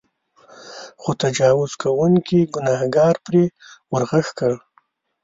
خو تجاوز کوونکي ګنهکار پرې ورغږ کړ.